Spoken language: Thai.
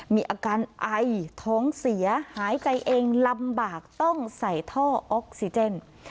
มีอาการไอท้องเสียหายใจเองลำบากต้องใส่ท่อออกซิเจน